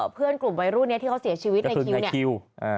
เพื่อนกลุ่มไวรูดที่เขาเสียชีวิตในคิว